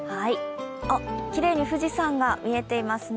きれいに富士山が見えていますね。